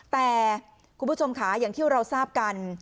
แต่คุณผู้ชมค่ะอย่างที่เราทราบกัน